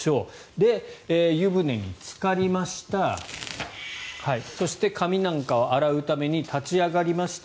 で、湯船につかりましたそして髪なんかを洗うために立ち上がりました